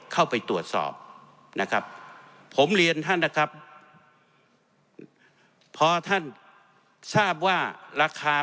ครับเห็นสิบบาทใช่หรอครับ